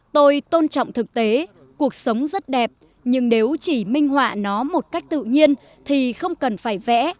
tôi tôn trọng thực tế cuộc sống rất đẹp nhưng nếu chỉ minh họa nó một cách tự nhiên thì không cần phải vẽ